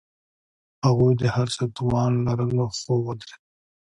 هغوی د هر څه توان لرلو، خو ودریدل.